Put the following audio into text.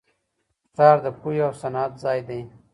ښار د پوهې او صنعت ځای دی.